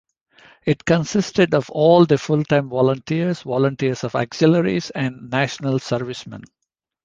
It consisted of all the full-time volunteers, volunteers of Auxiliaries and national servicemen.